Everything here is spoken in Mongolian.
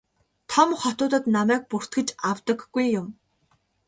Том хотуудад намайг бүртгэж авдаггүй юм.